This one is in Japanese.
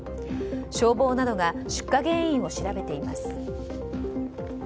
消防などが出火原因を調べています。